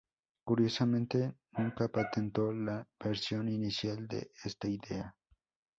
Curiosamente, nunca patentó la versión inicial de esta idea.